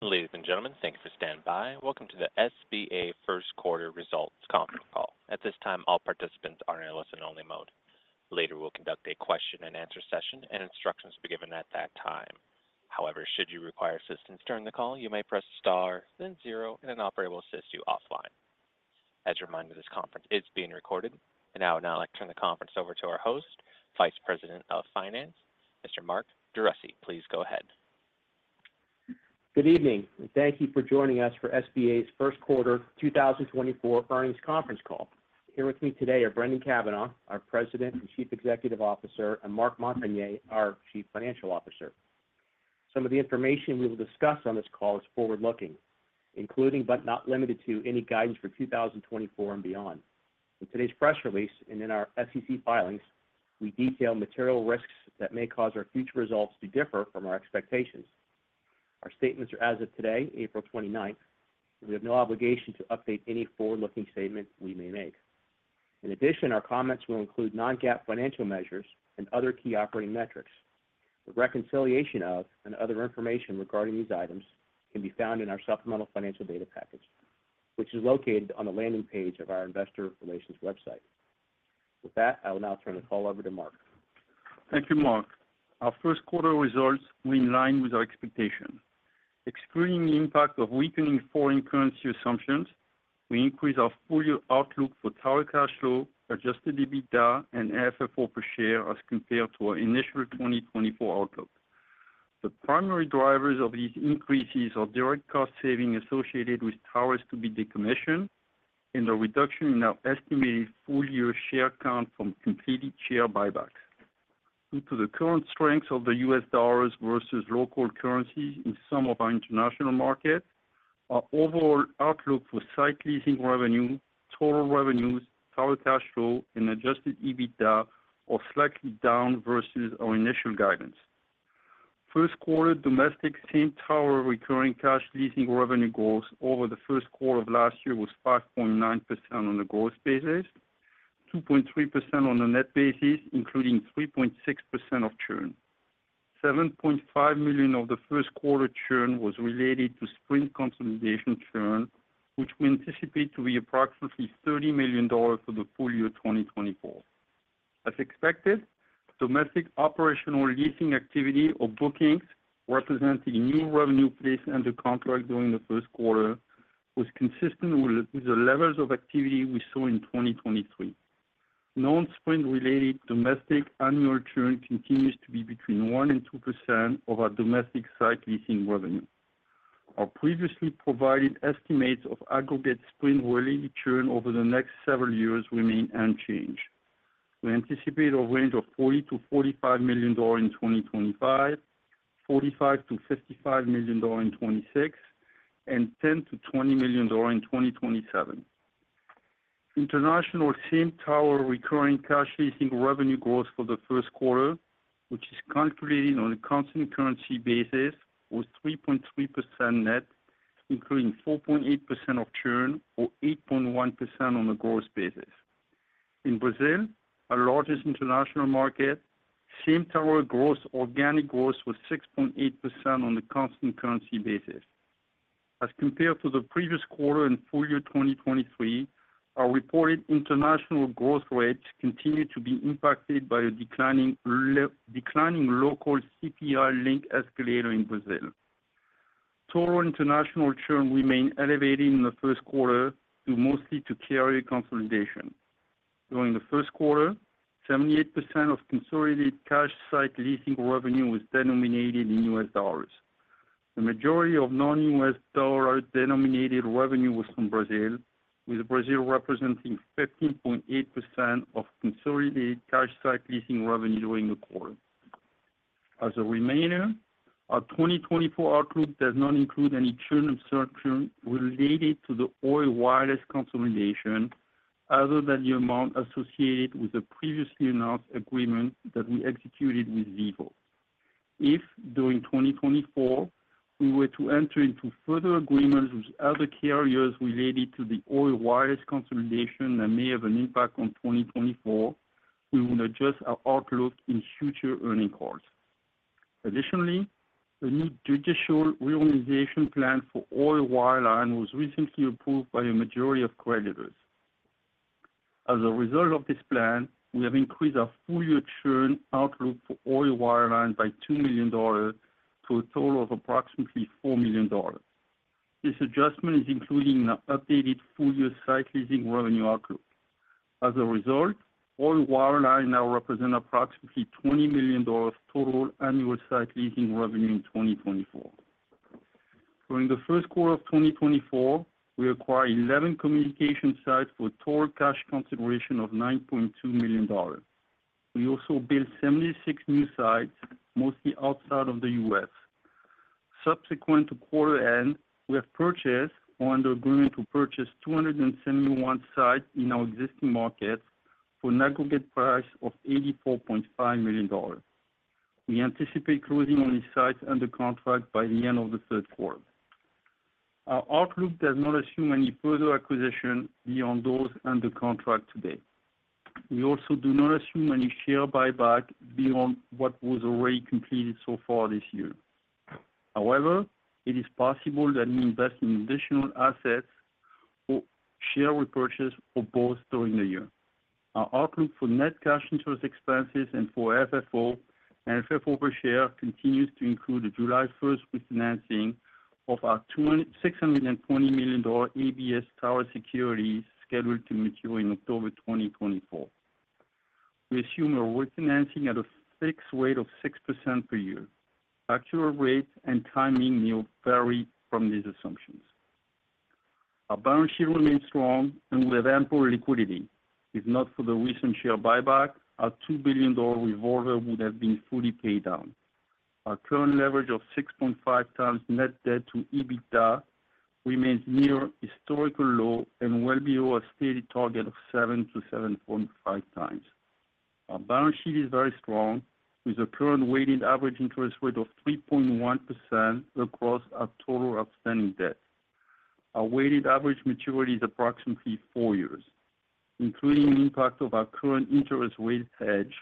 Ladies and gentlemen, thank you for standing by. Welcome to the SBA first quarter results conference call. At this time, all participants are in a listen-only mode. Later, we'll conduct a question-and-answer session, and instructions will be given at that time. However, should you require assistance during the call, you may press star, then zero, and an operator will assist you offline. As a reminder, this conference is being recorded. And now I would now like to turn the conference over to our host, Vice President of Finance, Mr. Mark DeRussy. Please go ahead. Good evening, and thank you for joining us for SBA's first quarter 2024 earnings conference call. Here with me today are Brendan Cavanagh, our President and Chief Executive Officer, and Marc Montagner, our Chief Financial Officer. Some of the information we will discuss on this call is forward-looking, including, but not limited to, any guidance for 2024 and beyond. In today's press release and in our SEC filings, we detail material risks that may cause our future results to differ from our expectations. Our statements are as of today, April 29th, and we have no obligation to update any forward-looking statements we may make. In addition, our comments will include non-GAAP financial measures and other key operating metrics. The reconciliation of and other information regarding these items can be found in our supplemental financial data package, which is located on the landing page of our investor relations website. With that, I will now turn the call over to Marc. Thank you, Mark. Our first quarter results were in line with our expectations. Excluding the impact of weakening foreign currency assumptions, we increased our full-year outlook for tower cash flow, adjusted EBITDA, and AFFO per share as compared to our initial 2024 outlook. The primary drivers of these increases are direct cost savings associated with towers to be decommissioned and a reduction in our estimated full-year share count from completed share buybacks. Due to the current strength of the U.S. dollars versus local currencies in some of our international markets, our overall outlook for site leasing revenue, total revenues, tower cash flow, and adjusted EBITDA are slightly down versus our initial guidance. First quarter domestic same-tower recurring cash leasing revenue growth over the first quarter of last year was 5.9% on a gross basis, 2.3% on a net basis, including 3.6% of churn. $7.5 million of the first quarter churn was related to Sprint consolidation churn, which we anticipate to be approximately $30 million for the full year 2024. As expected, domestic operational leasing activity or bookings, representing new revenue placed under contract during the first quarter, was consistent with the levels of activity we saw in 2023. Non-Sprint related domestic annual churn continues to be between 1% and 2% of our domestic site leasing revenue. Our previously provided estimates of aggregate Sprint-related churn over the next several years remain unchanged. We anticipate a range of $40 million-$45 million in 2025, $45 million-$55 million in 2026, and $10 million-$20 million in 2027. International same-tower recurring cash leasing revenue growth for the first quarter, which is calculated on a constant currency basis, was 3.3% net, including 4.8% of churn or 8.1% on a gross basis. In Brazil, our largest international market, same-tower growth, organic growth was 6.8% on a constant currency basis. As compared to the previous quarter and full year 2023, our reported international growth rates continued to be impacted by a declining local CPI-linked escalator in Brazil. Total international churn remained elevated in the first quarter due mostly to carrier consolidation. During the first quarter, 78% of consolidated cash site leasing revenue was denominated in U.S. dollars. The majority of non-U.S. dollar-denominated revenue was from Brazil, with Brazil representing 13.8% of consolidated cash site leasing revenue during the quarter. As a reminder, our 2024 outlook does not include any churn absorption related to the Oi consolidation other than the amount associated with the previously announced agreement that we executed with Vivo. If, during 2024, we were to enter into further agreements with other carriers related to the Oi consolidation that may have an impact on 2024, we will adjust our outlook in future earnings calls. Additionally, the new judicial reorganization plan for Oi was recently approved by a majority of creditors. As a result of this plan, we have increased our full-year churn outlook for Oi Wireless by $2 million, to a total of approximately $4 million. This adjustment is included in our updated full-year site leasing revenue outlook. As a result, Oi Wireless now represent approximately $20 million total annual site leasing revenue in 2024. During the first quarter of 2024, we acquired 11 communication sites for total cash consideration of $9.2 million. We also built 76 new sites, mostly outside of the U.S. Subsequent to quarter end, we have purchased or under agreement to purchase 271 sites in our existing markets for an aggregate price of $84.5 million. We anticipate closing on these sites under contract by the end of the third quarter. Our outlook does not assume any further acquisition beyond those under contract today. We also do not assume any share buyback beyond what was already completed so far this year. However, it is possible that we invest in additional assets or share repurchase or both during the year. Our outlook for net cash interest expenses and for FFO and FFO per share continues to include a July 1st refinancing of our $620 million ABS Tower Securities scheduled to mature in October 2024. We assume a refinancing at a fixed rate of 6% per year. Actual rates and timing may vary from these assumptions. Our balance sheet remains strong and with ample liquidity. If not for the recent share buyback, our $2 billion revolver would have been fully paid down. Our current leverage of 6.5x net debt to EBITDA remains near historical low and well below our stated target of 7x-7.5x. Our balance sheet is very strong, with a current weighted average interest rate of 3.1% across our total outstanding debt. Our weighted average maturity is approximately 4 years, including the impact of our current interest rate hedge,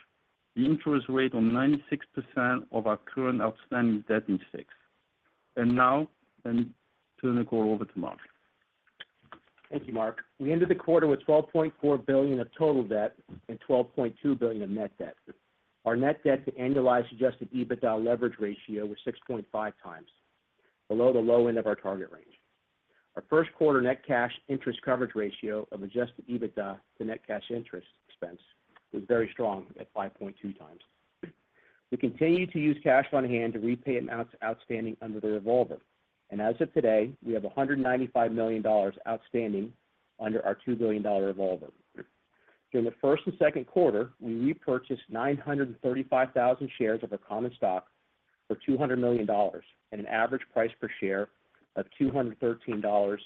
the interest rate on 96% of our current outstanding debt is fixed. And now, let me turn the call over to Mark. Thank you, Marc. We ended the quarter with $12.4 billion of total debt and $12.2 billion of net debt. Our net debt to annualized Adjusted EBITDA leverage ratio was 6.5x, below the low end of our target range. Our first quarter net cash interest coverage ratio of Adjusted EBITDA to net cash interest expense was very strong at 5.2x. We continue to use cash on hand to repay amounts outstanding under the revolver, and as of today, we have $195 million outstanding under our $2 billion revolver. During the first and second quarter, we repurchased 935,000 shares of our common stock for $200 million at an average price per share of $213.85.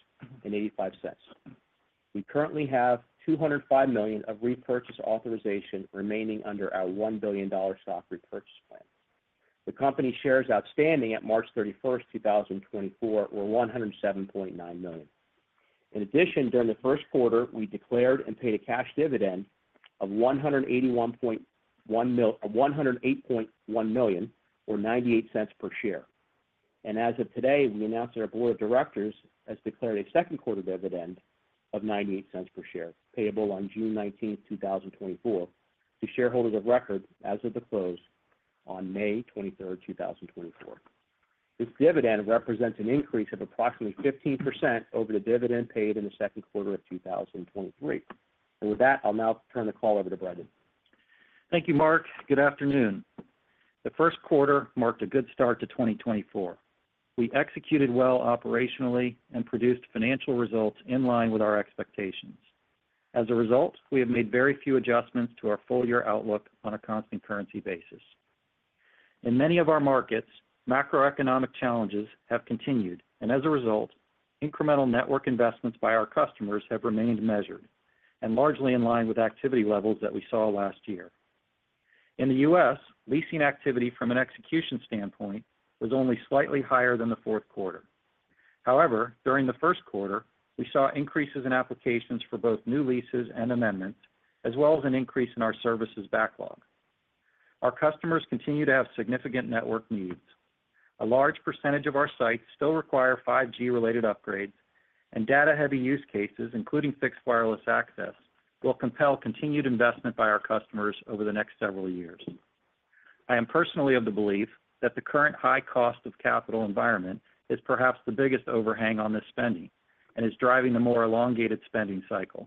We currently have $205 million of repurchase authorization remaining under our $1 billion stock repurchase plan. The company shares outstanding at March 31, 2024, were 107.9 million. In addition, during the first quarter, we declared and paid a cash dividend of $108.1 million, or $0.98 per share. As of today, we announced that our board of directors has declared a second quarter dividend of $0.98 per share, payable on June 19, 2024, to shareholders of record as of the close on May 23, 2024. This dividend represents an increase of approximately 15% over the dividend paid in the second quarter of 2023. And with that, I'll now turn the call over to Brendan. Thank you, Mark. Good afternoon. The first quarter marked a good start to 2024. We executed well operationally and produced financial results in line with our expectations. As a result, we have made very few adjustments to our full year outlook on a constant currency basis. In many of our markets, macroeconomic challenges have continued, and as a result, incremental network investments by our customers have remained measured and largely in line with activity levels that we saw last year. In the U.S., leasing activity from an execution standpoint was only slightly higher than the fourth quarter. However, during the first quarter, we saw increases in applications for both new leases and amendments, as well as an increase in our services backlog. Our customers continue to have significant network needs. A large percentage of our sites still require 5G-related upgrades, and data-heavy use cases, including fixed wireless access, will compel continued investment by our customers over the next several years. I am personally of the belief that the current high cost of capital environment is perhaps the biggest overhang on this spending and is driving a more elongated spending cycle.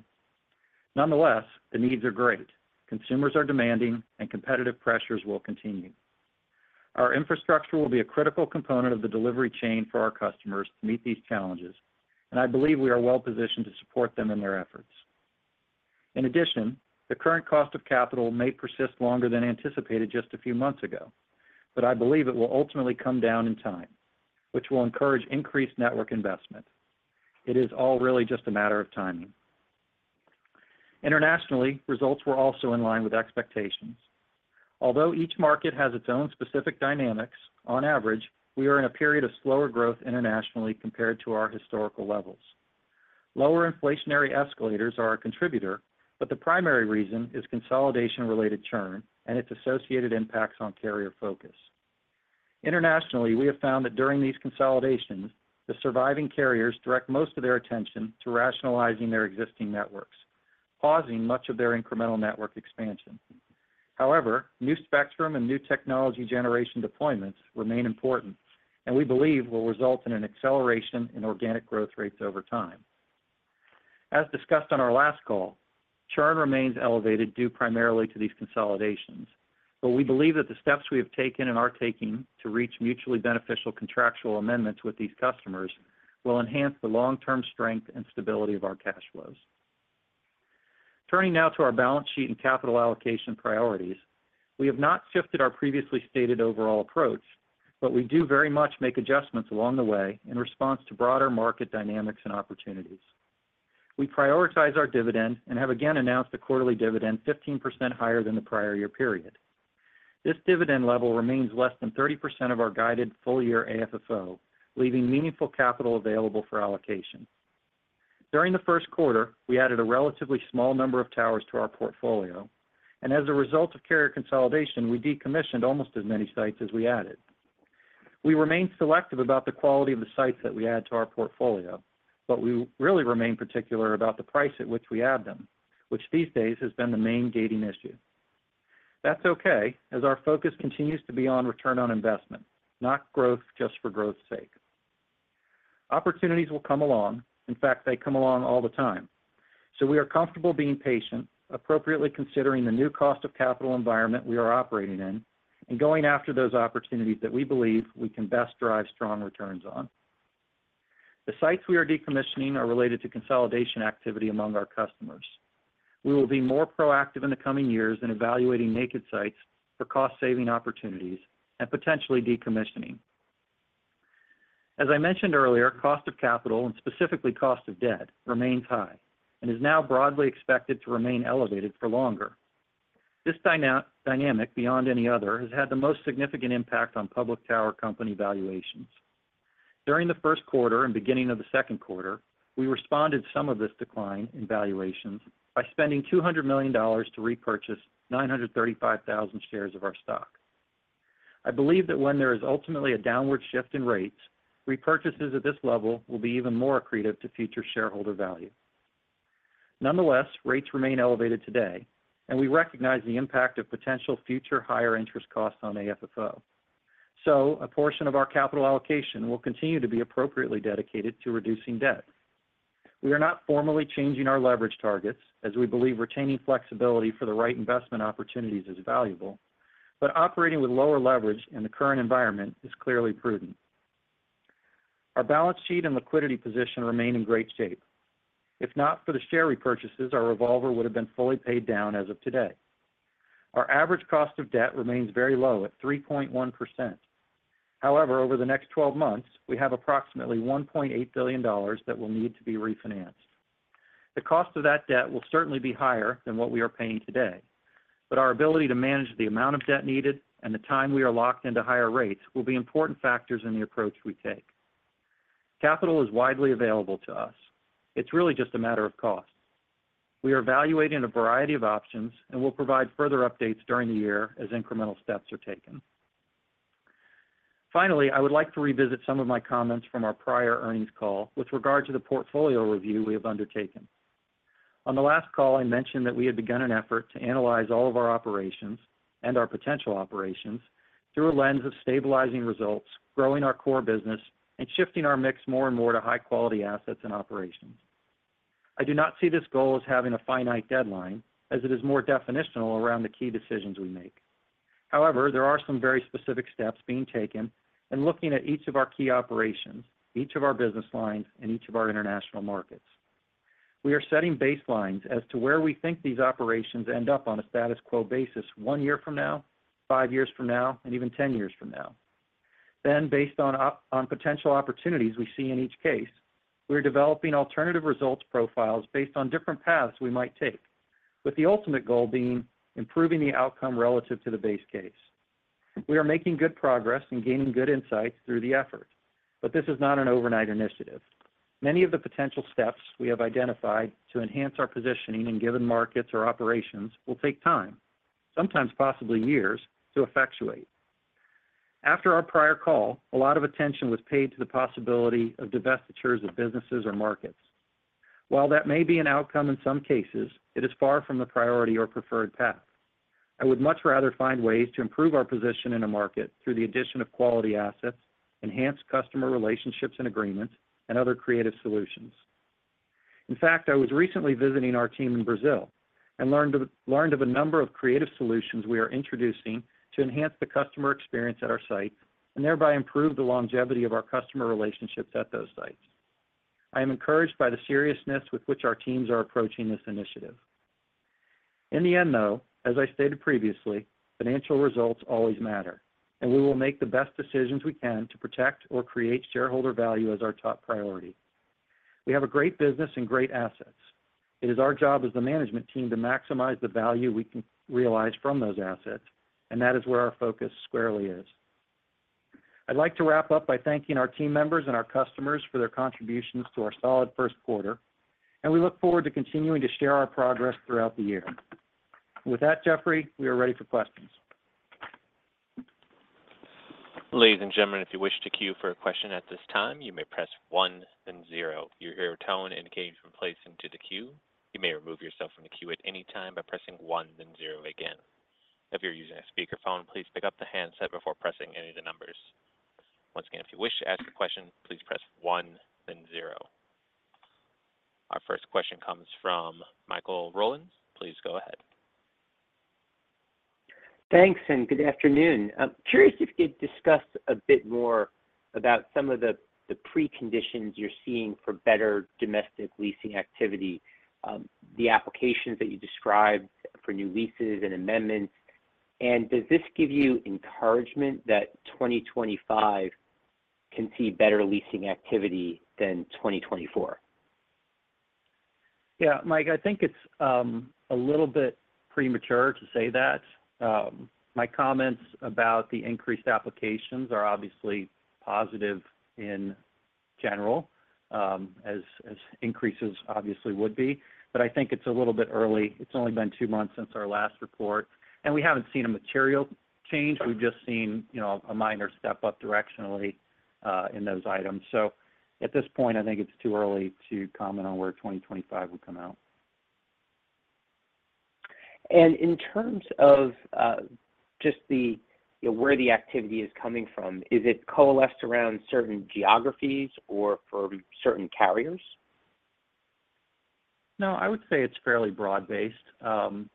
Nonetheless, the needs are great. Consumers are demanding, and competitive pressures will continue. Our infrastructure will be a critical component of the delivery chain for our customers to meet these challenges, and I believe we are well positioned to support them in their efforts. In addition, the current cost of capital may persist longer than anticipated just a few months ago, but I believe it will ultimately come down in time, which will encourage increased network investment. It is all really just a matter of timing. Internationally, results were also in line with expectations. Although each market has its own specific dynamics, on average, we are in a period of slower growth internationally compared to our historical levels. Lower inflationary escalators are a contributor, but the primary reason is consolidation-related churn and its associated impacts on carrier focus. Internationally, we have found that during these consolidations, the surviving carriers direct most of their attention to rationalizing their existing networks, pausing much of their incremental network expansion. However, new spectrum and new technology generation deployments remain important and we believe will result in an acceleration in organic growth rates over time. As discussed on our last call, churn remains elevated due primarily to these consolidations, but we believe that the steps we have taken and are taking to reach mutually beneficial contractual amendments with these customers will enhance the long-term strength and stability of our cash flows. Turning now to our balance sheet and capital allocation priorities. We have not shifted our previously stated overall approach, but we do very much make adjustments along the way in response to broader market dynamics and opportunities. We prioritize our dividend and have again announced a quarterly dividend 15% higher than the prior year period. This dividend level remains less than 30% of our guided full-year AFFO, leaving meaningful capital available for allocation. During the first quarter, we added a relatively small number of towers to our portfolio, and as a result of carrier consolidation, we decommissioned almost as many sites as we added. We remain selective about the quality of the sites that we add to our portfolio, but we really remain particular about the price at which we add them, which these days has been the main gating issue. That's okay, as our focus continues to be on return on investment, not growth just for growth's sake. Opportunities will come along. In fact, they come along all the time, so we are comfortable being patient, appropriately considering the new cost of capital environment we are operating in, and going after those opportunities that we believe we can best drive strong returns on. The sites we are decommissioning are related to consolidation activity among our customers. We will be more proactive in the coming years in evaluating naked sites for cost-saving opportunities and potentially decommissioning. As I mentioned earlier, cost of capital, and specifically cost of debt, remains high and is now broadly expected to remain elevated for longer. This dynamic, beyond any other, has had the most significant impact on public tower company valuations. During the first quarter and beginning of the second quarter, we responded to some of this decline in valuations by spending $200 million to repurchase 935,000 shares of our stock. I believe that when there is ultimately a downward shift in rates, repurchases at this level will be even more accretive to future shareholder value. Nonetheless, rates remain elevated today, and we recognize the impact of potential future higher interest costs on AFFO. So a portion of our capital allocation will continue to be appropriately dedicated to reducing debt. We are not formally changing our leverage targets, as we believe retaining flexibility for the right investment opportunities is valuable, but operating with lower leverage in the current environment is clearly prudent. Our balance sheet and liquidity position remain in great shape. If not for the share repurchases, our revolver would have been fully paid down as of today. Our average cost of debt remains very low at 3.1%. However, over the next 12 months, we have approximately $1.8 billion that will need to be refinanced. The cost of that debt will certainly be higher than what we are paying today, but our ability to manage the amount of debt needed and the time we are locked into higher rates will be important factors in the approach we take. Capital is widely available to us. It's really just a matter of cost. We are evaluating a variety of options and will provide further updates during the year as incremental steps are taken. Finally, I would like to revisit some of my comments from our prior earnings call with regard to the portfolio review we have undertaken. On the last call, I mentioned that we had begun an effort to analyze all of our operations and our potential operations through a lens of stabilizing results, growing our core business, and shifting our mix more and more to high-quality assets and operations. I do not see this goal as having a finite deadline, as it is more definitional around the key decisions we make. However, there are some very specific steps being taken and looking at each of our key operations, each of our business lines, and each of our international markets. We are setting baselines as to where we think these operations end up on a status quo basis one year from now, five years from now, and even 10 years from now. Then, based on on potential opportunities we see in each case, we are developing alternative results profiles based on different paths we might take, with the ultimate goal being improving the outcome relative to the base case. We are making good progress and gaining good insights through the effort, but this is not an overnight initiative. Many of the potential steps we have identified to enhance our positioning in given markets or operations will take time, sometimes possibly years, to effectuate. After our prior call, a lot of attention was paid to the possibility of divestitures of businesses or markets. While that may be an outcome in some cases, it is far from the priority or preferred path. I would much rather find ways to improve our position in a market through the addition of quality assets, enhanced customer relationships and agreements, and other creative solutions. In fact, I was recently visiting our team in Brazil and learned of a number of creative solutions we are introducing to enhance the customer experience at our site and thereby improve the longevity of our customer relationships at those sites. I am encouraged by the seriousness with which our teams are approaching this initiative. In the end, though, as I stated previously, financial results always matter, and we will make the best decisions we can to protect or create shareholder value as our top priority. We have a great business and great assets. It is our job as the management team to maximize the value we can realize from those assets, and that is where our focus squarely is. I'd like to wrap up by thanking our team members and our customers for their contributions to our solid first quarter, and we look forward to continuing to share our progress throughout the year. With that, Jeffrey, we are ready for questions. Ladies and gentlemen, if you wish to queue for a question at this time, you may press one, then zero. You'll hear a tone indicating you've been placed into the queue. You may remove yourself from the queue at any time by pressing one, then zero again. If you're using a speakerphone, please pick up the handset before pressing any of the numbers. Once again, if you wish to ask a question, please press one, then zero. Our first question comes from Michael Rollins. Please go ahead. Thanks, and good afternoon. I'm curious if you could discuss a bit more about some of the preconditions you're seeing for better domestic leasing activity, the applications that you described for new leases and amendments, and does this give you encouragement that 2025 can see better leasing activity than 2024? Yeah, Mike, I think it's a little bit premature to say that. My comments about the increased applications are obviously positive in general, as increases obviously would be. But I think it's a little bit early. It's only been two months since our last report, and we haven't seen a material change. We've just seen, you know, a minor step up directionally in those items. So at this point, I think it's too early to comment on where 2025 will come out. In terms of, just the, you know, where the activity is coming from, is it coalesced around certain geographies or for certain carriers? No, I would say it's fairly broad-based.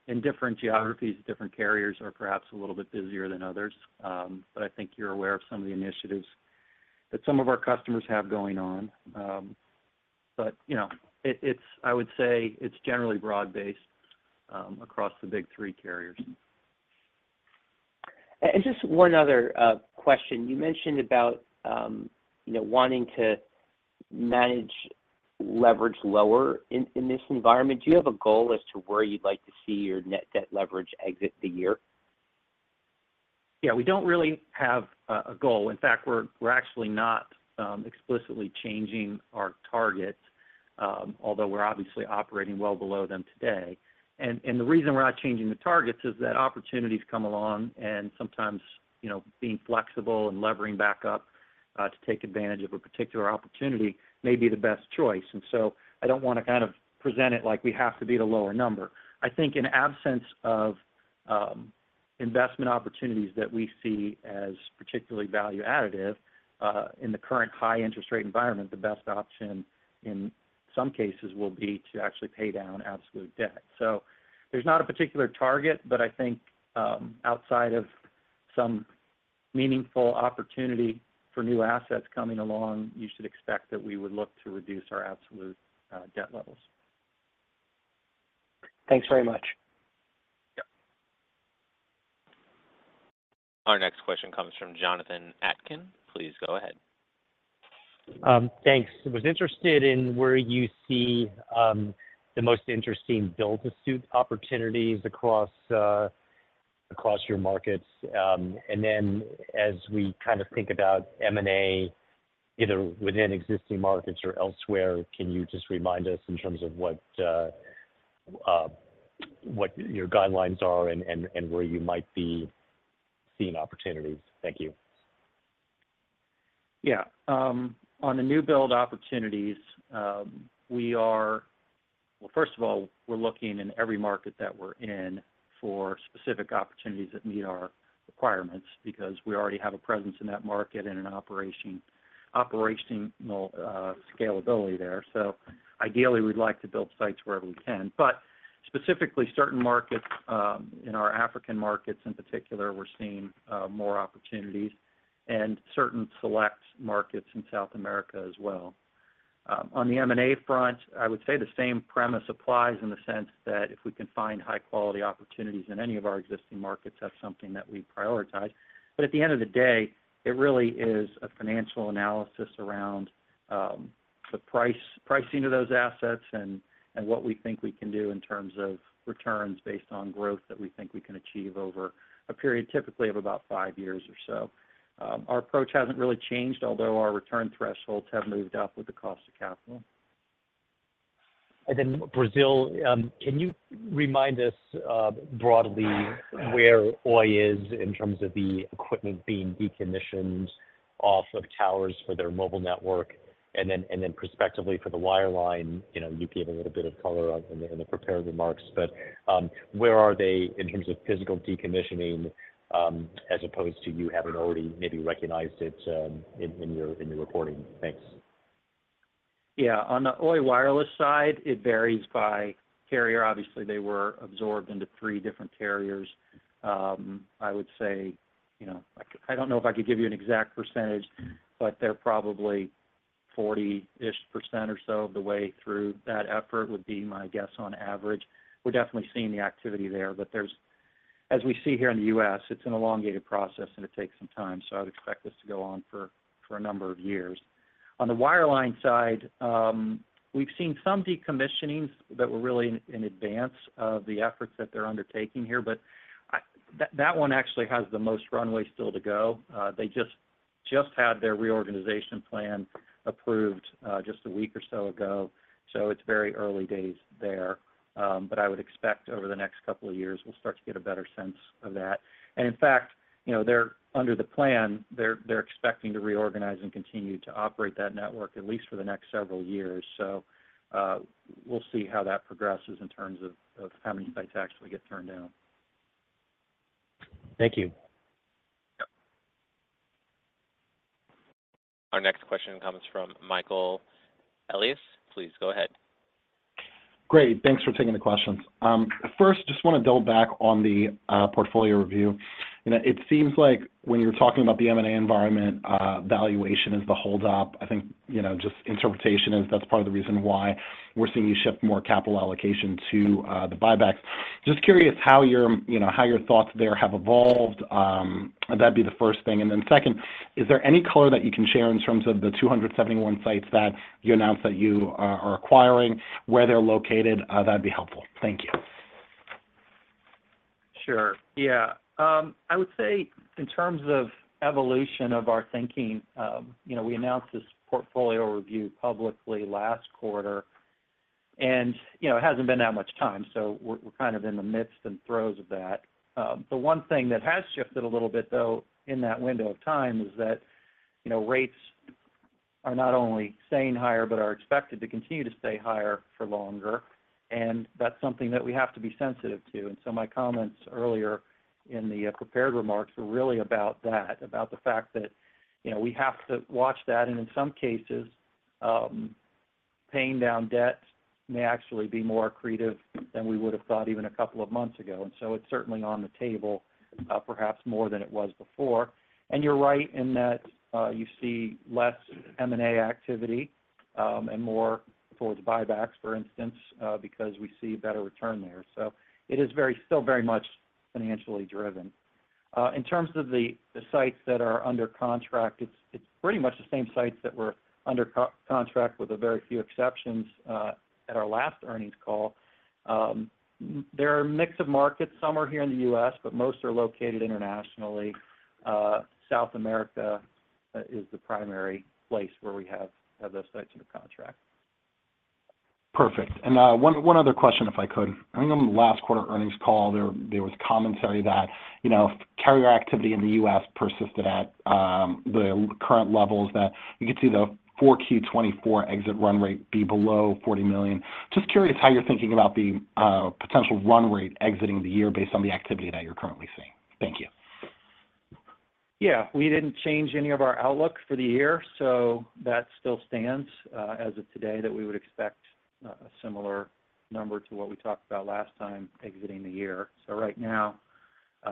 In different geographies, different carriers are perhaps a little bit busier than others. But I think you're aware of some of the initiatives that some of our customers have going on. But, you know, I would say it's generally broad-based across the big three carriers. Just one other question. You mentioned about, you know, wanting to manage leverage lower in this environment. Do you have a goal as to where you'd like to see your net debt leverage exit the year? Yeah, we don't really have a goal. In fact, we're actually not explicitly changing our targets, although we're obviously operating well below them today. And the reason we're not changing the targets is that opportunities come along, and sometimes, you know, being flexible and levering back up to take advantage of a particular opportunity may be the best choice. And so I don't want to kind of present it like we have to beat a lower number. I think in absence of investment opportunities that we see as particularly value additive in the current high interest rate environment, the best option in some cases will be to actually pay down absolute debt. So there's not a particular target, but I think, outside of some meaningful opportunity for new assets coming along, you should expect that we would look to reduce our absolute debt levels. Thanks very much. Yeah. Our next question comes from Jonathan Atkin. Please go ahead. Thanks. I was interested in where you see the most interesting build to suit opportunities across your markets. And then as we kind of think about M&A, either within existing markets or elsewhere, can you just remind us in terms of what your guidelines are and where you might be seeing opportunities? Thank you. Yeah. On the new build opportunities, we are... Well, first of all, we're looking in every market that we're in for specific opportunities that meet our requirements, because we already have a presence in that market and an operational scalability there. So ideally, we'd like to build sites wherever we can. But specifically, certain markets in our African markets in particular, we're seeing more opportunities and certain select markets in South America as well. On the M&A front, I would say the same premise applies in the sense that if we can find high-quality opportunities in any of our existing markets, that's something that we prioritize. But at the end of the day, it really is a financial analysis around the pricing of those assets and what we think we can do in terms of returns based on growth that we think we can achieve over a period, typically of about five years or so. Our approach hasn't really changed, although our return thresholds have moved up with the cost of capital. And then Brazil, can you remind us, broadly, where Oi is in terms of the equipment being decommissioned off of towers for their mobile network? And then, perspectively for the wireline, you know, you gave a little bit of color on in the prepared remarks, but, where are they in terms of physical decommissioning, as opposed to you haven't already maybe recognized it, in your reporting? Thanks. Yeah. On the Oi Wireless side, it varies by carrier. Obviously, they were absorbed into three different carriers. I would say, you know, I don't know if I could give you an exact percentage, but they're probably 40%-ish or so of the way through that effort, would be my guess, on average. We're definitely seeing the activity there, but there's, as we see here in the U.S., it's an elongated process, and it takes some time, so I'd expect this to go on for a number of years. On the wireline side, we've seen some decommissioning that were really in advance of the efforts that they're undertaking here, but I—that one actually has the most runway still to go. They just had their reorganization plan approved, just a week or so ago, so it's very early days there. But I would expect over the next couple of years, we'll start to get a better sense of that. And in fact, you know, they're under the plan. They're expecting to reorganize and continue to operate that network, at least for the next several years. So, we'll see how that progresses in terms of how many sites actually get turned down. Thank you. Yep. Our next question comes from Michael Elias. Please go ahead. Great. Thanks for taking the questions. First, just want to double back on the portfolio review. You know, it seems like when you're talking about the M&A environment, valuation is the hold up. I think, you know, just interpretation is that's part of the reason why we're seeing you shift more capital allocation to the buybacks. Just curious how your, you know, how your thoughts there have evolved? That'd be the first thing. And then second, is there any color that you can share in terms of the 271 sites that you announced that you are acquiring, where they're located? That'd be helpful. Thank you. Sure. Yeah. I would say in terms of evolution of our thinking, you know, we announced this portfolio review publicly last quarter, and, you know, it hasn't been that much time, so we're kind of in the midst and throes of that. The one thing that has shifted a little bit, though, in that window of time, is that, you know, rates are not only staying higher, but are expected to continue to stay higher for longer, and that's something that we have to be sensitive to. And so my comments earlier in the prepared remarks were really about that, about the fact that, you know, we have to watch that, and in some cases, paying down debts may actually be more accretive than we would have thought even a couple of months ago. And so it's certainly on the table, perhaps more than it was before. And you're right in that, you see less M&A activity, and more towards buybacks, for instance, because we see better return there. So it is very, still very much financially driven. In terms of the sites that are under contract, it's pretty much the same sites that were under contract, with a very few exceptions, at our last earnings call. There is a mix of markets. Some are here in the U.S., but most are located internationally. South America is the primary place where we have those sites under contract. Perfect. And one other question, if I could. I remember in the last quarter earnings call, there was commentary that, you know, if carrier activity in the U.S. persisted at the current levels, that you could see the 4Q 2024 exit run rate be below $40 million. Just curious how you're thinking about the potential run rate exiting the year based on the activity that you're currently seeing. Thank you. Yeah, we didn't change any of our outlook for the year, so that still stands, as of today, that we would expect, a similar number to what we talked about last time exiting the year. So right now,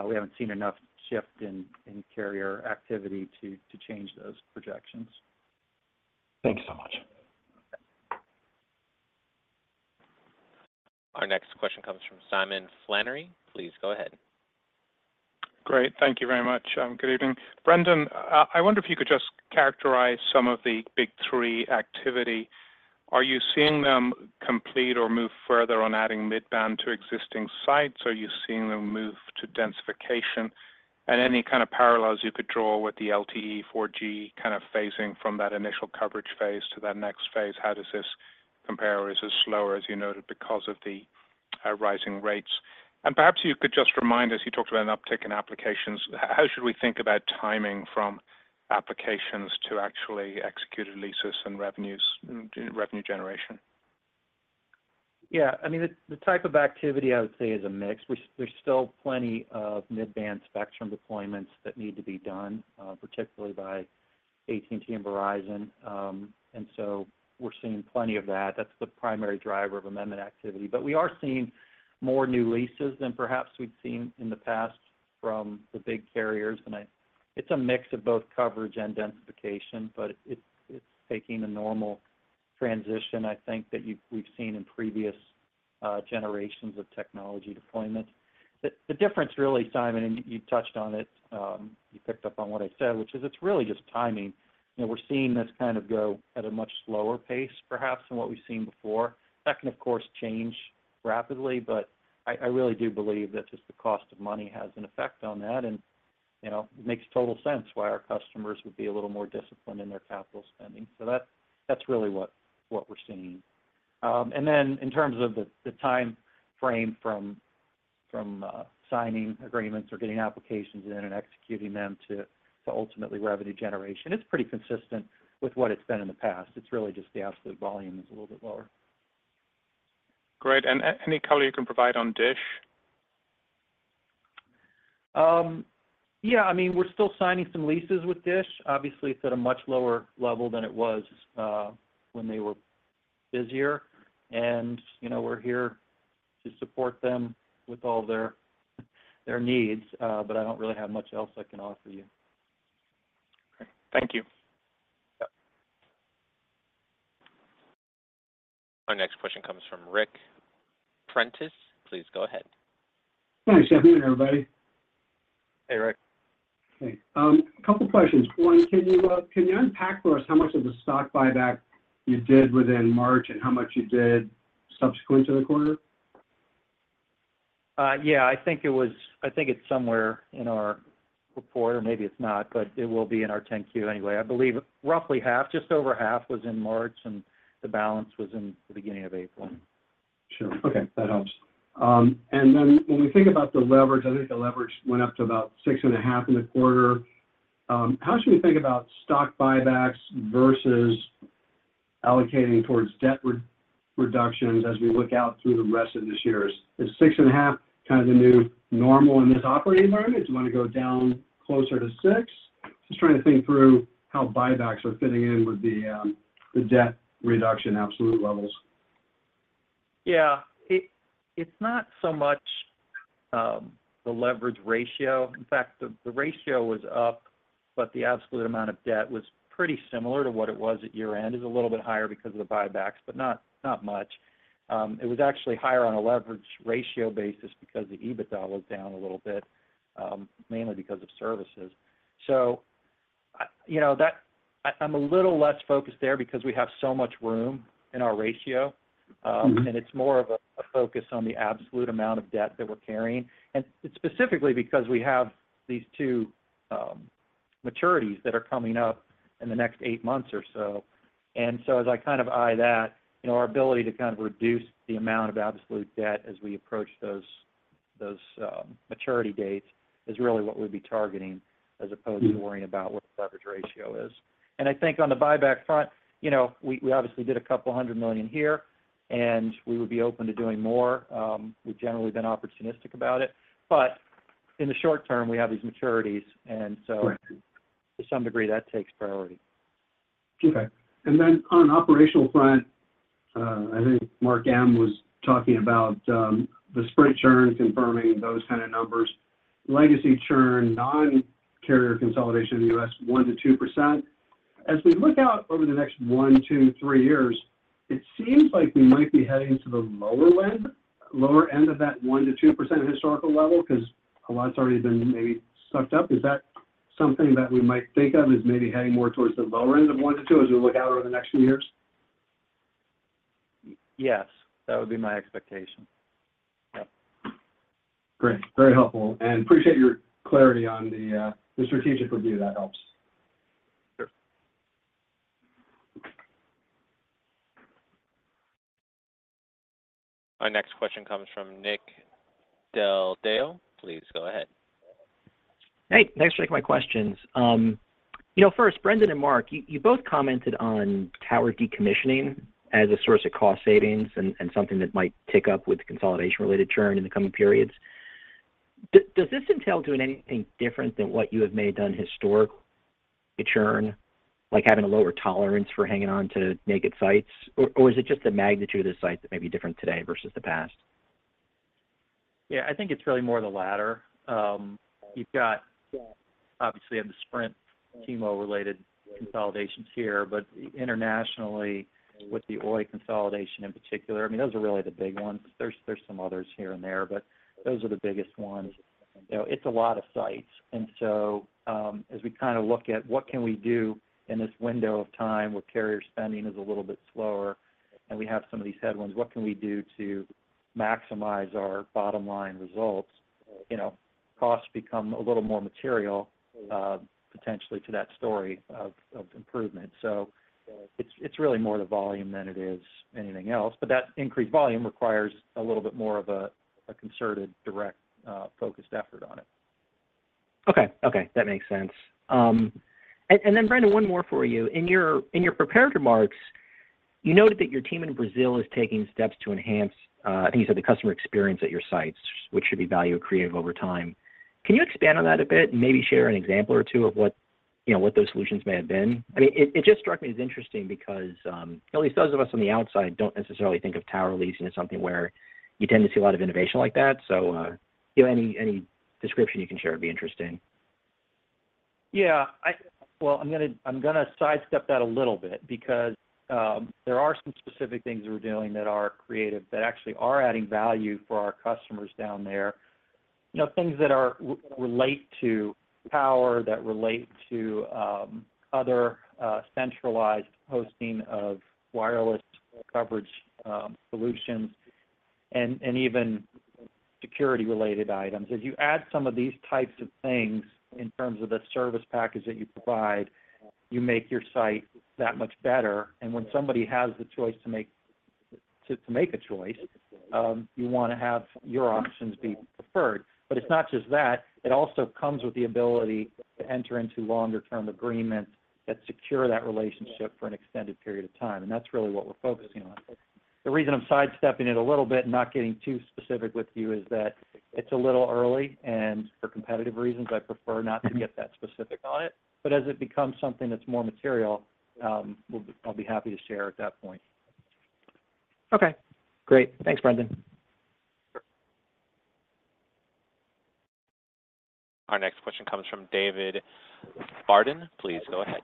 we haven't seen enough shift in carrier activity to change those projections. Thank you so much. Our next question comes from Simon Flannery. Please go ahead. Great. Thank you very much. Good evening. Brendan, I wonder if you could just characterize some of the big three activity. Are you seeing them complete or move further on adding mid-band to existing sites? Are you seeing them move to densification? And any kind of parallels you could draw with the LTE 4G kind of phasing from that initial coverage phase to that next phase, how does this compare, or is this slower, as you noted, because of the rising rates? And perhaps you could just remind us, you talked about an uptick in applications. How should we think about timing from applications to actually executed leases and revenues to revenue generation? Yeah. I mean, the type of activity, I would say, is a mix. There's still plenty of mid-band spectrum deployments that need to be done, particularly by AT&T and Verizon. And so we're seeing plenty of that. That's the primary driver of amendment activity. But we are seeing more new leases than perhaps we've seen in the past from the big carriers, and it's a mix of both coverage and densification, but it's taking a normal transition, I think, that we've seen in previous generations of technology deployments. The difference really, Simon, and you touched on it, you picked up on what I said, which is it's really just timing. You know, we're seeing this kind of go at a much slower pace, perhaps, than what we've seen before. That can, of course, change rapidly, but I really do believe that just the cost of money has an effect on that, and, you know, it makes total sense why our customers would be a little more disciplined in their capital spending. So that's really what we're seeing. And then in terms of the time frame from signing agreements or getting applications in and executing them to ultimately revenue generation, it's pretty consistent with what it's been in the past. It's really just the absolute volume is a little bit lower. Great. And any color you can provide on DISH? Yeah, I mean, we're still signing some leases with DISH. Obviously, it's at a much lower level than it was when they were busier. And, you know, we're here to support them with all their, their needs, but I don't really have much else I can offer you. Great. Thank you. Yep. Our next question comes from Ric Prentiss. Please go ahead. Thanks. Good evening, everybody. Hey, Ric. Hey. A couple questions. One, can you unpack for us how much of the stock buyback you did within March and how much you did subsequently to the quarter? Yeah, I think it's somewhere in our report, or maybe it's not, but it will be in our 10-Q anyway. I believe roughly half, just over half was in March, and the balance was in the beginning of April. Sure. Okay, that helps. And then when we think about the leverage, I think the leverage went up to about 6.5 in the quarter. How should we think about stock buybacks versus allocating towards debt reductions as we look out through the rest of this year? Is 6.5 kind of the new normal in this operating environment? Do you want to go down closer to 6? Just trying to think through how buybacks are fitting in with the debt reduction absolute levels. Yeah. It's not so much the leverage ratio. In fact, the ratio was up, but the absolute amount of debt was pretty similar to what it was at year-end. It's a little bit higher because of the buybacks, but not much. It was actually higher on a leverage ratio basis because the EBITDA was down a little bit, mainly because of services. So you know, I'm a little less focused there because we have so much room in our ratio. And it's more of a focus on the absolute amount of debt that we're carrying. And it's specifically because we have these two maturities that are coming up in the next eight months or so. And so as I kind of eye that, you know, our ability to kind of reduce the amount of absolute debt as we approach those maturity dates is really what we'd be targeting, as opposed to worrying about what the leverage ratio is. And I think on the buyback front, you know, we obviously did $200 million here, and we would be open to doing more. We've generally been opportunistic about it, but in the short term, we have these maturities, and so- Right. To some degree, that takes priority. Okay. Then on an operational front, I think Marc M. was talking about the Sprint churn, confirming those kind of numbers, legacy churn, non-carrier consolidation in the U.S., 1%-2%. As we look out over the next 1, 2, 3 years, it seems like we might be heading to the lower end, lower end of that 1%-2% historical level, 'cause a lot's already been maybe sucked up. Is that something that we might think of as maybe heading more towards the lower end of 1-2, as we look out over the next few years? Yes, that would be my expectation. Yep. Great. Very helpful, and appreciate your clarity on the strategic review. That helps. Sure. Our next question comes from Nick Del Deo. Please go ahead. Hey, thanks for taking my questions. You know, first, Brendan and Mark, you both commented on tower decommissioning as a source of cost savings and something that might tick up with consolidation-related churn in the coming periods. Does this entail doing anything different than what you may have done historically with churn, like having a lower tolerance for hanging on to naked sites, or is it just the magnitude of the site that may be different today versus the past? Yeah, I think it's really more the latter. You've got—obviously, on the Sprint T-Mobile-related consolidations here, but internationally, with the Oi consolidation, in particular, I mean, those are really the big ones. There's some others here and there, but those are the biggest ones. You know, it's a lot of sites. And so, as we kind of look at what can we do in this window of time, where carrier spending is a little bit slower, and we have some of these headwinds, what can we do to maximize our bottom line results? You know, costs become a little more material, potentially to that story of improvement. So it's really more the volume than it is anything else, but that increased volume requires a little bit more of a concerted, direct, focused effort on it. Okay. Okay, that makes sense. And then, Brendan, one more for you. In your prepared remarks, you noted that your team in Brazil is taking steps to enhance, I think you said, the customer experience at your sites, which should be value creative over time. Can you expand on that a bit and maybe share an example or two of what, you know, what those solutions may have been? I mean, it just struck me as interesting because at least those of us on the outside don't necessarily think of tower leasing as something where you tend to see a lot of innovation like that. So, you know, any description you can share would be interesting. Yeah, Well, I'm gonna sidestep that a little bit because there are some specific things we're doing that are creative, that actually are adding value for our customers down there. You know, things that are relate to power, that relate to other centralized hosting of wireless coverage solutions and even security-related items. As you add some of these types of things in terms of the service package that you provide, you make your site that much better. And when somebody has the choice to make, to make a choice, you wanna have your options be preferred. But it's not just that, it also comes with the ability to enter into longer term agreements that secure that relationship for an extended period of time, and that's really what we're focusing on. The reason I'm sidestepping it a little bit and not getting too specific with you is that it's a little early, and for competitive reasons, I prefer not to get that specific on it. But as it becomes something that's more material, I'll be happy to share at that point. Okay, great. Thanks, Brendan. Our next question comes from David Barden. Please go ahead.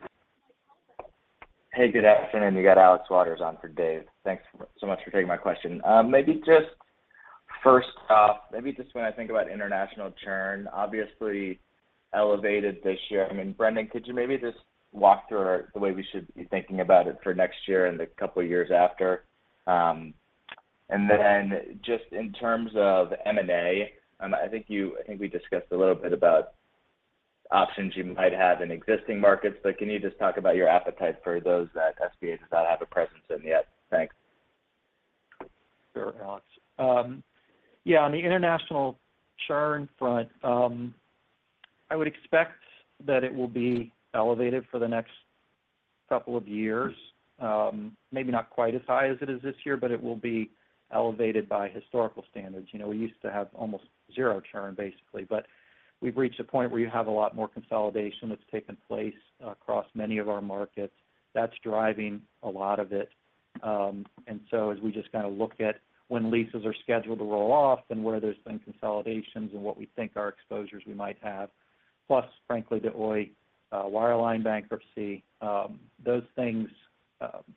Hey, good afternoon. You got Alex Waters on for Dave. Thanks so much for taking my question. Maybe just first off, maybe just when I think about international churn, obviously elevated this year. I mean, Brendan, could you maybe just walk through the way we should be thinking about it for next year and the couple of years after? And then, just in terms of M&A, I think you-- I think we discussed a little bit about options you might have in existing markets, but can you just talk about your appetite for those that SBA does not have a presence in yet? Thanks. Sure, Alex. Yeah, on the international churn front, I would expect that it will be elevated for the next couple of years. Maybe not quite as high as it is this year, but it will be elevated by historical standards. You know, we used to have almost zero churn, basically, but we've reached a point where you have a lot more consolidation that's taken place across many of our markets. That's driving a lot of it. And so as we just kind of look at when leases are scheduled to roll off and where there's been consolidations and what we think our exposures we might have, plus frankly, the Oi wireline bankruptcy, those things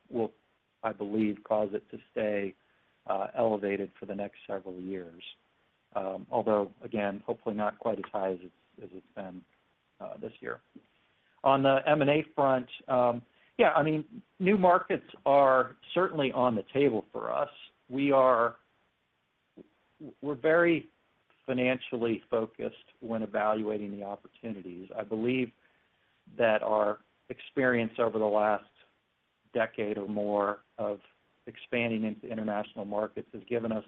will, I believe, cause it to stay elevated for the next several years. Although, again, hopefully not quite as high as it's, as it's been, this year. On the M&A front, yeah, I mean, new markets are certainly on the table for us. We're very financially focused when evaluating the opportunities. I believe that our experience over the last decade or more of expanding into international markets has given us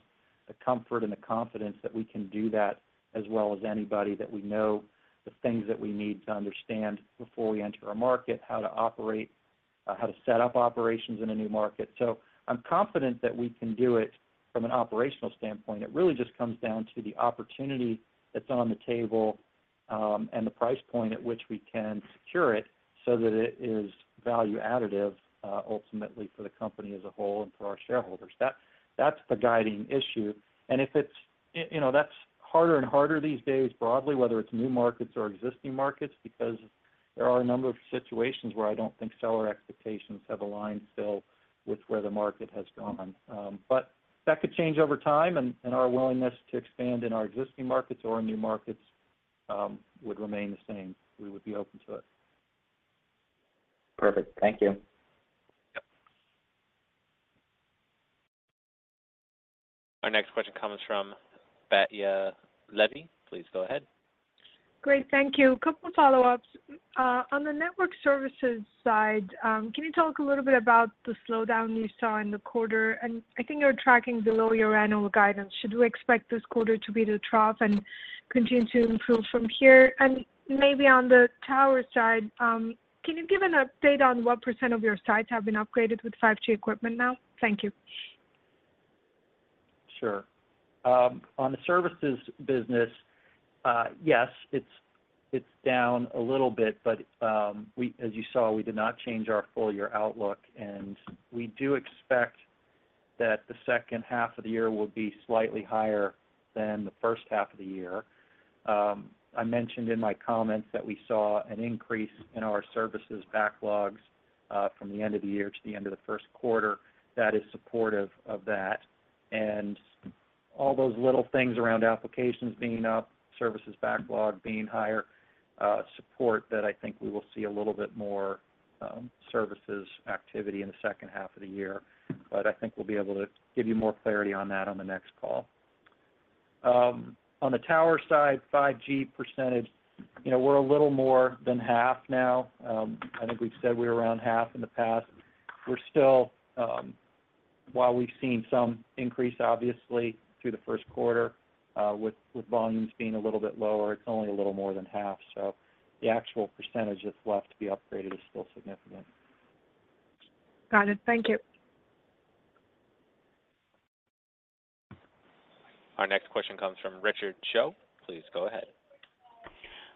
the comfort and the confidence that we can do that as well as anybody, that we know the things that we need to understand before we enter a market, how to operate, how to set up operations in a new market. So I'm confident that we can do it from an operational standpoint. It really just comes down to the opportunity that's on the table, and the price point at which we can secure it, so that it is value additive, ultimately for the company as a whole and for our shareholders. That's the guiding issue, and if it's, you know, that's harder and harder these days, broadly, whether it's new markets or existing markets, because there are a number of situations where I don't think seller expectations have aligned still with where the market has gone. But that could change over time, and our willingness to expand in our existing markets or new markets would remain the same. We would be open to it. Perfect. Thank you. Yep. Our next question comes from Batya Levi. Please go ahead. Great, thank you. A couple follow-ups. On the network services side, can you talk a little bit about the slowdown you saw in the quarter? And I think you're tracking below your annual guidance. Should we expect this quarter to be the trough and continue to improve from here? And maybe on the tower side, can you give an update on what percent of your sites have been upgraded with 5G equipment now? Thank you. Sure. On the services business, yes, it's, it's down a little bit, but, we—as you saw, we did not change our full year outlook, and we do expect that the second half of the year will be slightly higher than the first half of the year. I mentioned in my comments that we saw an increase in our services backlogs, from the end of the year to the end of the first quarter that is supportive of that. And all those little things around applications being up, services backlog being higher, support that I think we will see a little bit more, services activity in the second half of the year. But I think we'll be able to give you more clarity on that on the next call. On the tower side, 5G percentage, you know, we're a little more than half now. I think we've said we're around half in the past. We're still, while we've seen some increase, obviously, through the first quarter, with volumes being a little bit lower, it's only a little more than half, so the actual percentage that's left to be upgraded is still significant. Got it. Thank you. Our next question comes from Richard Choe. Please go ahead.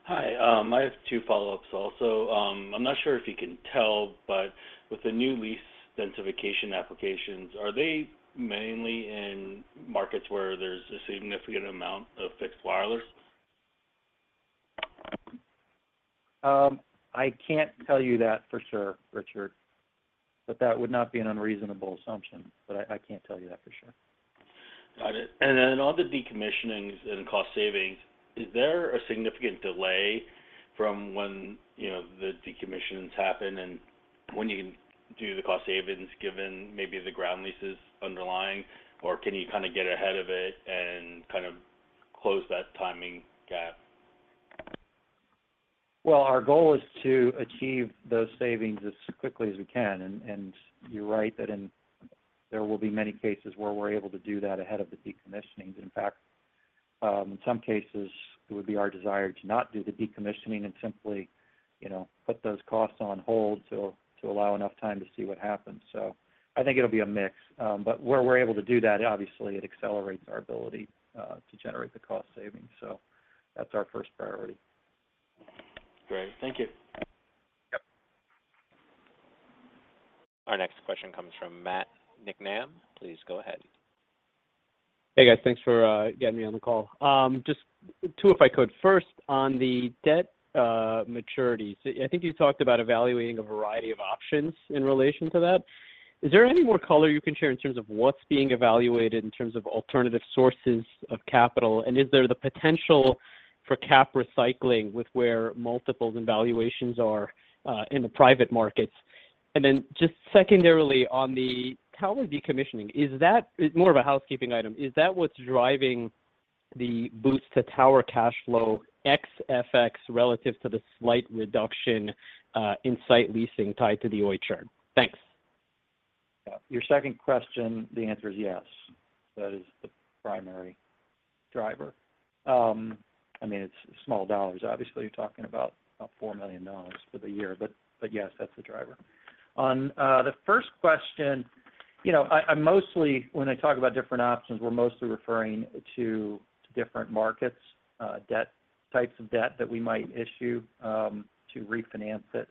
Hi, I have two follow-ups also. I'm not sure if you can tell, but with the new lease densification applications, are they mainly in markets where there's a significant amount of fixed wireless? I can't tell you that for sure, Richard, but that would not be an unreasonable assumption. But I can't tell you that for sure. Got it. And then on the decommissioning and cost savings, is there a significant delay from when, you know, the decommissionings happen and when you do the cost savings, given maybe the ground leases underlying, or can you kind of get ahead of it and kind of close that timing gap? Well, our goal is to achieve those savings as quickly as we can. And you're right, that there will be many cases where we're able to do that ahead of the decommissioning. In fact, in some cases, it would be our desire to not do the decommissioning and simply, you know, put those costs on hold to allow enough time to see what happens. So I think it'll be a mix. But where we're able to do that, obviously, it accelerates our ability to generate the cost savings. So that's our first priority. Great. Thank you. Yep. Our next question comes from Matt Niknam. Please go ahead. Hey, guys. Thanks for getting me on the call. Just two, if I could. First, on the debt maturity, so I think you talked about evaluating a variety of options in relation to that. Is there any more color you can share in terms of what's being evaluated in terms of alternative sources of capital? And is there the potential for capital recycling with where multiples and valuations are in the private markets? And then just secondarily, on the tower decommissioning, is that... It's more of a housekeeping item. Is that what's driving the boost to tower cash flow ex FX relative to the slight reduction in site leasing tied to the Oi churn? Thanks. Yeah. Your second question, the answer is yes. That is the primary driver. I mean, it's small dollars. Obviously, you're talking about $4 million for the year. But, but yes, that's the driver. On the first question, you know, I, I mostly, when I talk about different options, we're mostly referring to different markets, debt types of debt that we might issue to refinance it.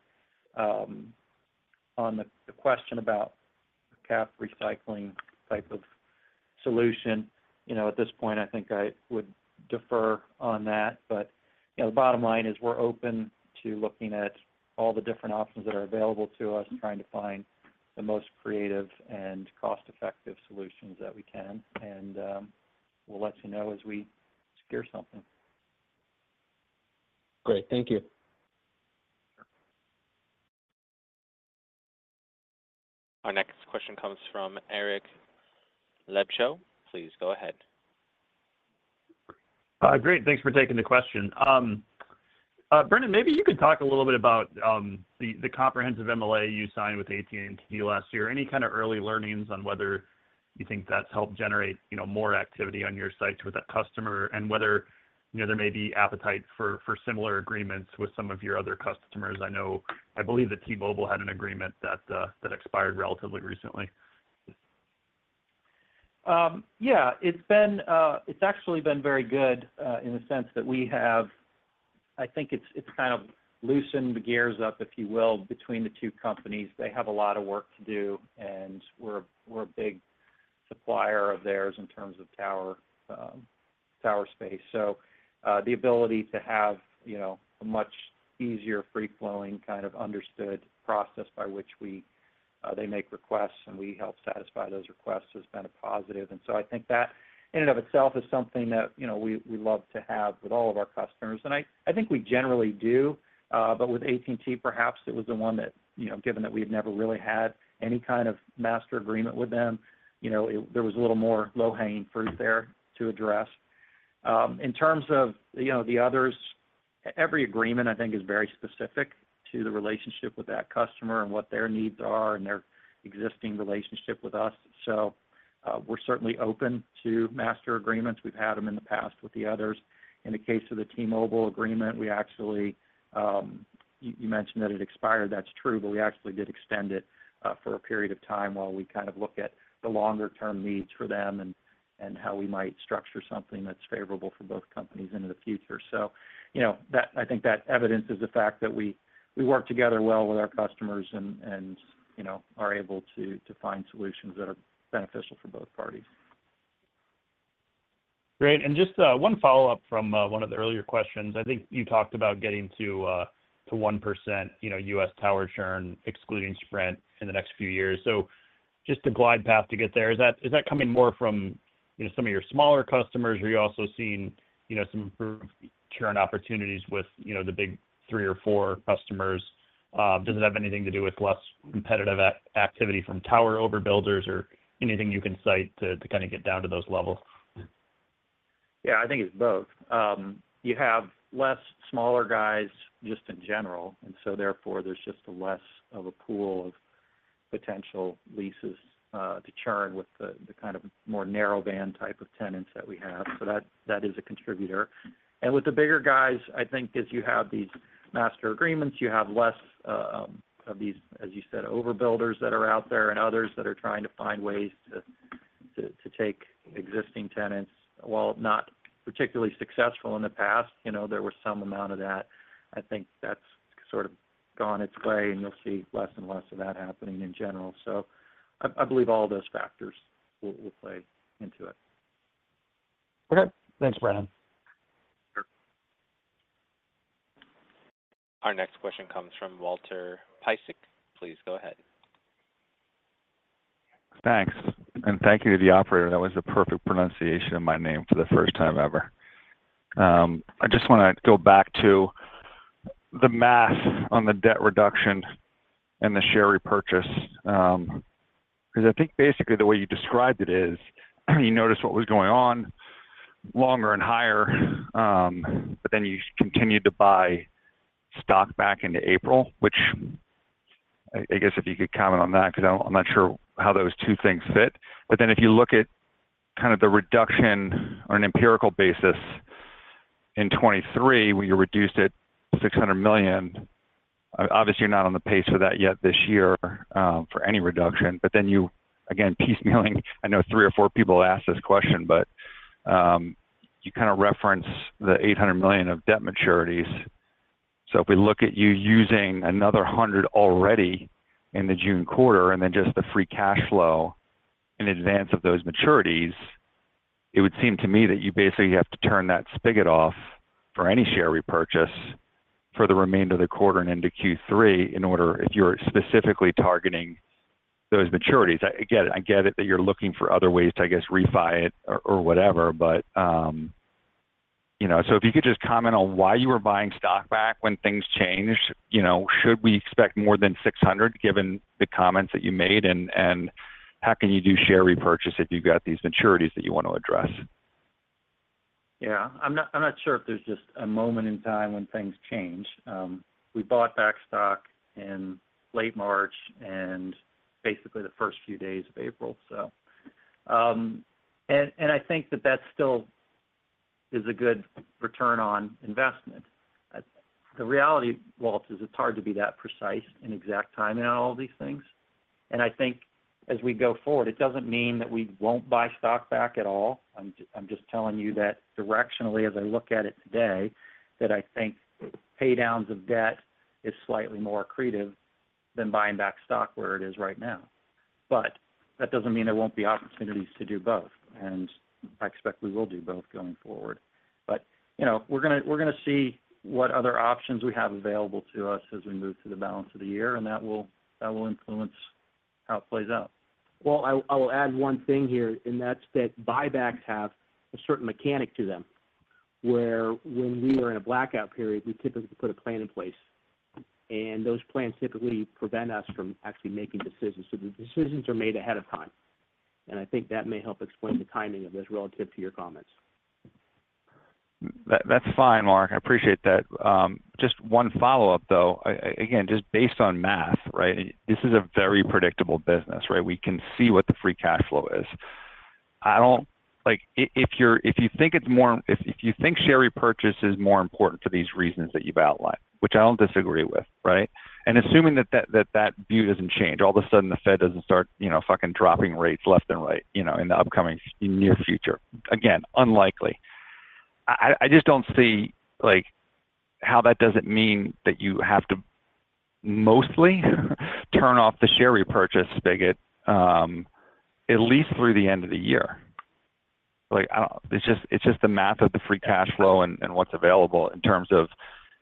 On the question about capital recycling type of solution, you know, at this point, I think I would defer on that. But, you know, the bottom line is we're open to looking at all the different options that are available to us and trying to find the most creative and cost-effective solutions that we can. And, we'll let you know as we secure something. Great. Thank you. Our next question comes from Eric Luebchow. Please go ahead. Great. Thanks for taking the question. Brendan, maybe you could talk a little bit about the comprehensive MLA you signed with AT&T last year. Any kind of early learnings on whether you think that's helped generate, you know, more activity on your site with that customer, and whether, you know, there may be appetite for similar agreements with some of your other customers? I know, I believe that T-Mobile had an agreement that expired relatively recently. Yeah, it's been... It's actually been very good in the sense that we have—I think it's kind of loosened the gears up, if you will, between the two companies. They have a lot of work to do, and we're a big supplier of theirs in terms of tower, tower space. So, the ability to have, you know, a much easier, free-flowing, kind of understood process by which we, they make requests, and we help satisfy those requests, has been a positive. And so I think that, in and of itself, is something that, you know, we love to have with all of our customers. And I think we generally do, but with AT&T, perhaps it was the one that, you know, given that we've never really had any kind of master agreement with them, you know, it there was a little more low-hanging fruit there to address. In terms of, you know, the others, every agreement, I think, is very specific to the relationship with that customer, and what their needs are, and their existing relationship with us. So, we're certainly open to master agreements. We've had them in the past with the others. In the case of the T-Mobile agreement, we actually... You, you mentioned that it expired, that's true, but we actually did extend it for a period of time while we kind of look at the longer term needs for them, and how we might structure something that's favorable for both companies into the future. So, you know, that I think that evidences the fact that we work together well with our customers and, you know, are able to find solutions that are beneficial for both parties. Great. And just, one follow-up from, one of the earlier questions. I think you talked about getting to, to 1%, you know, U.S. tower churn, excluding Sprint, in the next few years. So just the glide path to get there, is that, is that coming more from, you know, some of your smaller customers, or are you also seeing, you know, some improved churn opportunities with, you know, the big three or four customers? Does it have anything to do with less competitive activity from tower overbuilders or anything you can cite to, to kind of get down to those levels? Yeah, I think it's both. You have less smaller guys just in general, and so therefore, there's just a less of a pool of potential leases to churn with the kind of more narrowband type of tenants that we have. So that is a contributor. And with the bigger guys, I think as you have these master agreements, you have less of these, as you said, overbuilders that are out there and others that are trying to find ways to take existing tenants. While not particularly successful in the past, you know, there were some amount of that. I think that's sort of gone its way, and you'll see less and less of that happening in general. So I believe all those factors will play into it. Okay. Thanks, Brendan. Sure. Our next question comes from Walter Piecyk. Please go ahead. Thanks. And thank you to the operator, that was the perfect pronunciation of my name for the first time ever. I just wanna go back to the math on the debt reduction and the share repurchase, 'cause I think basically the way you described it is, you noticed what was going on longer and higher, but then you continued to buy stock back into April, which I guess if you could comment on that, 'cause I'm not sure how those two things fit. But then if you look at kind of the reduction on an empirical basis, in 2023, where you reduced it $600 million, obviously you're not on the pace for that yet this year, for any reduction. But then you, again, piecemealing, I know three or four people asked this question, but, you kind of referenced the $800 million of debt maturities. So if we look at you using another $100 million already in the June quarter, and then just the free cash flow in advance of those maturities, it would seem to me that you basically have to turn that spigot off for any share repurchase for the remainder of the quarter and into Q3, in order if you're specifically targeting those maturities. I get it. I get it that you're looking for other ways to, I guess, refi it or, or whatever. But, you know... So if you could just comment on why you were buying stock back when things changed. You know, should we expect more than $600 million, given the comments that you made? And how can you do share repurchase if you've got these maturities that you want to address? Yeah. I'm not sure if there's just a moment in time when things change. We bought back stock in late March and basically the first few days of April. I think that still is a good return on investment. The reality, Walt, is it's hard to be that precise in exact timing on all of these things. I think as we go forward, it doesn't mean that we won't buy stock back at all. I'm just telling you that directionally, as I look at it today, I think pay downs of debt is slightly more accretive than buying back stock where it is right now. But that doesn't mean there won't be opportunities to do both, and I expect we will do both going forward. But, you know, we're gonna, we're gonna see what other options we have available to us as we move through the balance of the year, and that will, that will influence how it plays out. Well, I will add one thing here, and that's that buybacks have a certain mechanic to them, where when we are in a blackout period, we typically put a plan in place. And those plans typically prevent us from actually making decisions. So the decisions are made ahead of time, and I think that may help explain the timing of this relative to your comments. That's fine, Mark. I appreciate that. Just one follow-up, though. Again, just based on math, right? This is a very predictable business, right? We can see what the free cash flow is. I don't—like, if you think it's more... If you think share repurchase is more important for these reasons that you've outlined, which I don't disagree with, right? And assuming that view doesn't change, all of a sudden the Fed doesn't start, you know, finally dropping rates left and right, you know, in the upcoming near future. Again, unlikely. I just don't see, like, how that doesn't mean that you have to mostly turn off the share repurchase spigot, at least through the end of the year. Like, I don't-- It's just, it's just the math of the free cash flow and, and what's available in terms of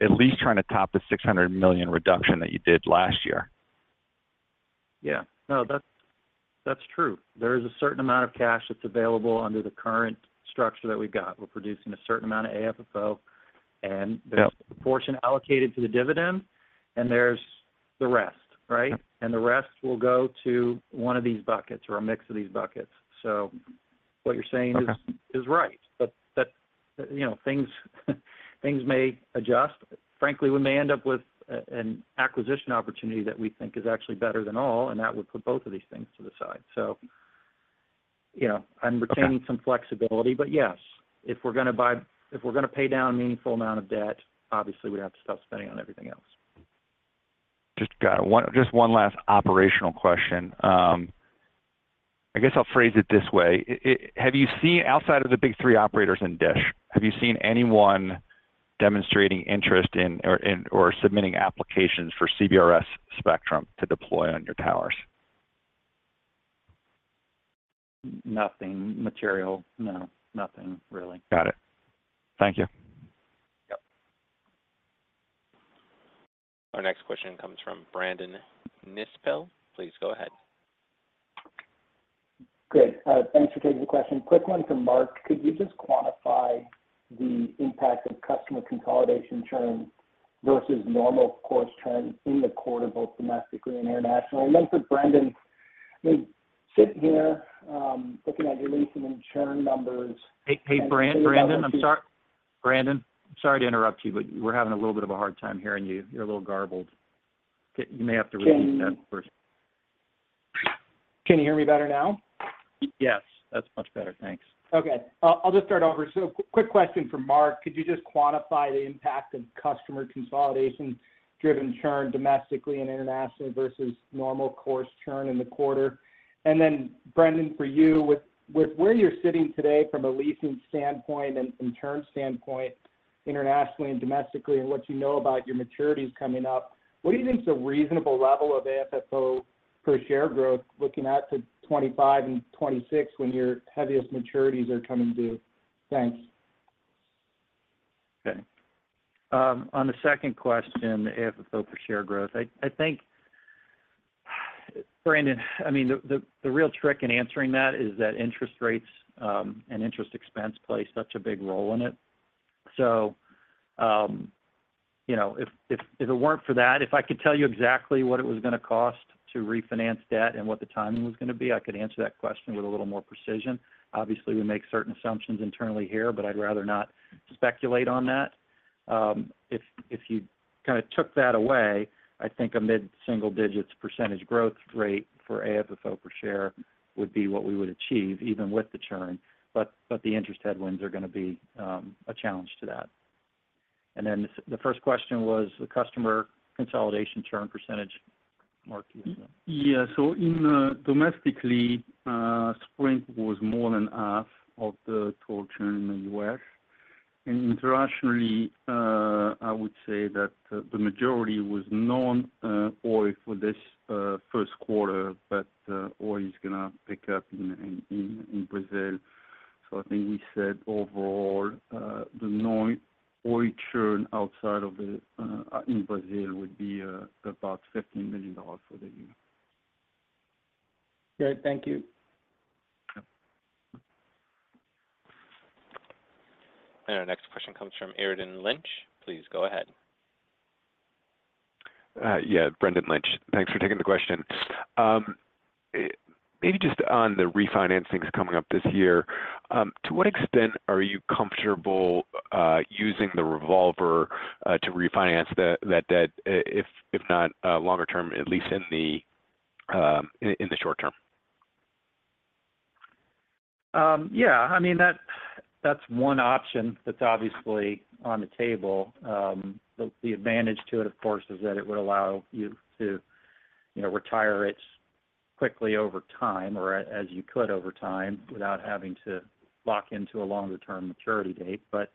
at least trying to top the $600 million reduction that you did last year. Yeah. No, that's, that's true. There is a certain amount of cash that's available under the current structure that we've got. We're producing a certain amount of AFFO, and- Yeah... there's a portion allocated to the dividend, and there's the rest, right? The rest will go to one of these buckets or a mix of these buckets. What you're saying- Okay... is right, but that, you know, things may adjust. Frankly, we may end up with an acquisition opportunity that we think is actually better than all, and that would put both of these things to the side. So, you know- Okay... I'm retaining some flexibility, but yes, if we're gonna pay down a meaningful amount of debt, obviously, we'd have to stop spending on everything else. Just got one, just one last operational question. I guess I'll phrase it this way. Have you seen, outside of the big three operators and DISH, have you seen anyone demonstrating interest in or, and, or submitting applications for CBRS spectrum to deploy on your towers? Nothing material. No, nothing, really. Got it. Thank you. Yep. Our next question comes from Brandon Nispel. Please go ahead. Great. Thanks for taking the question. Quick one for Mark. Could you just quantify the impact of customer consolidation churn versus normal course churn in the quarter, both domestically and internationally? I know that, Brendan, we sit here, looking at your leasing and churn numbers- Hey, hey, Brandon, I'm sorry. Brandon, sorry to interrupt you, but we're having a little bit of a hard time hearing you. You're a little garbled. You may have to- Can- Repeat that first. Can you hear me better now? Yes, that's much better. Thanks. Okay. I'll just start over. So quick question for Mark. Could you just quantify the impact of customer consolidation-driven churn domestically and internationally versus normal course churn in the quarter? And then, Brendan, for you, with where you're sitting today from a leasing standpoint and churn standpoint, internationally and domestically, and what you know about your maturities coming up, what do you think is a reasonable level of AFFO per share growth, looking out to 2025 and 2026 when your heaviest maturities are coming due? Thanks. Okay. On the second question, the AFFO per share growth, I think, Brandon, I mean, the real trick in answering that is that interest rates and interest expense play such a big role in it. So, you know, if it weren't for that, if I could tell you exactly what it was gonna cost to refinance debt and what the timing was gonna be, I could answer that question with a little more precision. Obviously, we make certain assumptions internally here, but I'd rather not speculate on that. If you kinda took that away, I think a mid-single digits % growth rate for AFFO per share would be what we would achieve even with the churn. But the interest headwinds are gonna be a challenge to that. And then the first question was the customer consolidation churn percentage. Marc, do you want to? Yeah. So domestically, Sprint was more than half of the total churn in the U.S. And internationally, I would say that the majority was non-Oi for this first quarter, but Oi is gonna pick up in Brazil. So I think we said overall, the non-Oi churn outside of Brazil would be about $15 million for the year. Great. Thank you. Yep. Our next question comes from Brendan Lynch. Please go ahead. Yeah, Brendan Lynch. Thanks for taking the question. Maybe just on the refinancings coming up this year, to what extent are you comfortable using the revolver to refinance that debt, if not longer term, at least in the short term? Yeah, I mean, that's one option that's obviously on the table. The advantage to it, of course, is that it would allow you to, you know, retire it quickly over time or as you could over time, without having to lock into a longer-term maturity date. But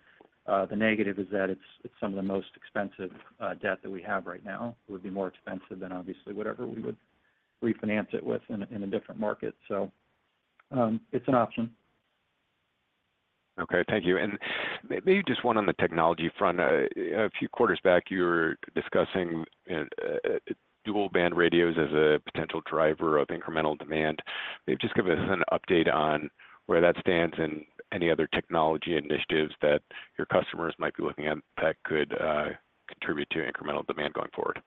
the negative is that it's some of the most expensive debt that we have right now. It would be more expensive than obviously whatever we would refinance it with in a different market. So it's an option. Okay. Thank you. And maybe just one on the technology front. A few quarters back, you were discussing dual-band radios as a potential driver of incremental demand. Maybe just give us an update on where that stands and any other technology initiatives that your customers might be looking at that could contribute to incremental demand going forward.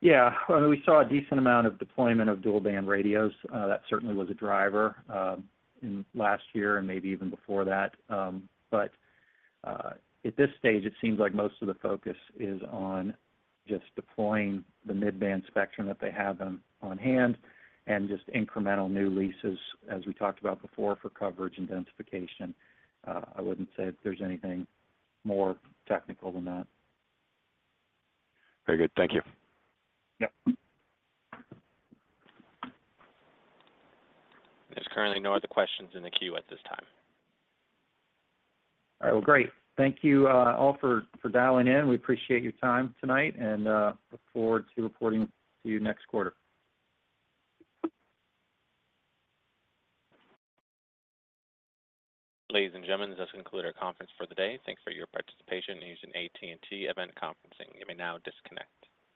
Yeah. Well, we saw a decent amount of deployment of dual-band radios. That certainly was a driver in last year and maybe even before that. But at this stage, it seems like most of the focus is on just deploying the mid-band spectrum that they have on hand, and just incremental new leases, as we talked about before, for coverage and densification. I wouldn't say there's anything more technical than that. Very good. Thank you. Yep. There's currently no other questions in the queue at this time. All right. Well, great. Thank you, all for dialing in. We appreciate your time tonight and look forward to reporting to you next quarter. Ladies and gentlemen, this concludes our conference for the day. Thanks for your participation in using AT&T event conferencing. You may now disconnect.